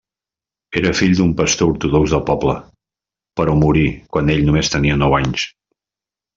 Era fill d'un pastor ortodox de poble, però morí quan ell només tenia nou anys.